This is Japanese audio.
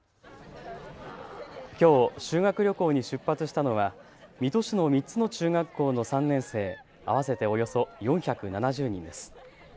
きょう修学旅行に出発したのは水戸市の３つの中学校の３年生合わせておよそ４７０人です。